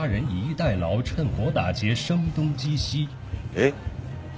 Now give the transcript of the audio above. えっ？